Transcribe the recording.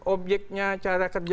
objeknya cara kerja